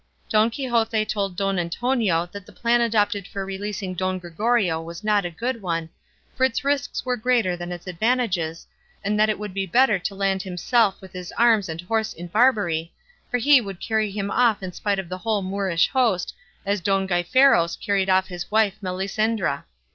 Don Quixote told Don Antonio that the plan adopted for releasing Don Gregorio was not a good one, for its risks were greater than its advantages, and that it would be better to land himself with his arms and horse in Barbary; for he would carry him off in spite of the whole Moorish host, as Don Gaiferos carried off his wife Melisendra.